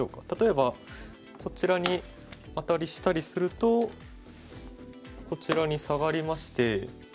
例えばこちらにアタリしたりするとこちらにサガりまして。